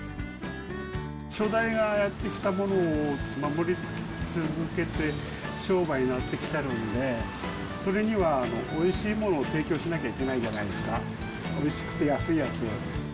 初代がやってきたものを守り続けて、商売やってきてるんで、それにはおいしいものを提供しなきゃいけないじゃないですか、おいしくて安いやつ。